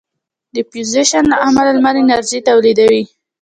د فیوژن له امله لمر انرژي تولیدوي.